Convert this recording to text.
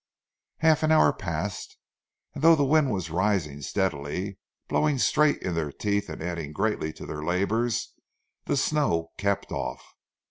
Half an hour passed, and though the wind was rising steadily, blowing straight in their teeth and adding greatly to their labours, the snow kept off.